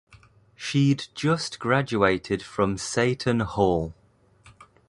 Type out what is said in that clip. She'd just graduated from Seton Hall.